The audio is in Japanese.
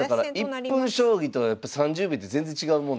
１分将棋とやっぱ３０秒って全然違うもんですか？